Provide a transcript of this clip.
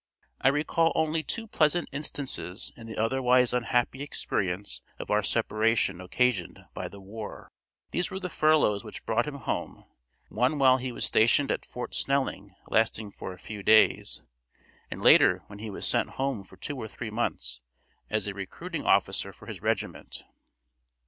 I recall only two pleasant instances in the otherwise unhappy experience of our separation occasioned by the war. These were the furloughs which brought him home, one while he was stationed at Fort Snelling lasting for a few days, and later when he was sent home for two or three months as a recruiting officer for his regiment.